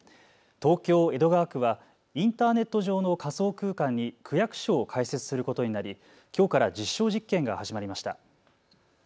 東京江戸川区はインターネット上の仮想空間に区役所を開設することになり、きょうから実証実験が始まりました。